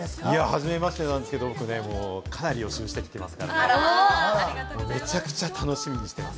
初めましてですけれども、かなり予習してきてますから、めちゃくちゃ楽しみにしています。